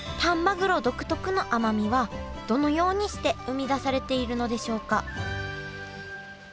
黒独特の甘みはどのようにして生み出されているのでしょうか？